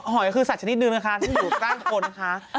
หอยคือสัตว์ชนิดหนึ่งนะคะที่อยู่ข้างข้างของคนนะคะ